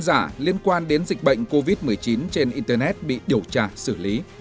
tin giả liên quan đến dịch bệnh covid một mươi chín trên internet bị điều tra xử lý